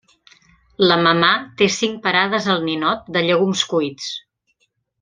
La mamà té cinc parades al Ninot de llegums cuits.